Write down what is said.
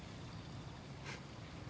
フッ。